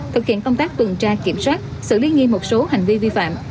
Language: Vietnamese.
thực hiện công tác tuần tra kiểm soát xử lý nghiêm một số hành vi vi phạm